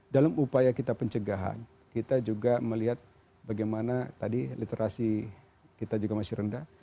dalam upaya kita pencegahan kita juga melihat bagaimana tadi literasi kita juga masih rendah